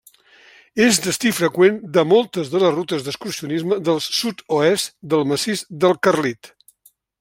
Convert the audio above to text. És destí freqüent de moltes de les rutes d'excursionisme del sud-oest del Massís del Carlit.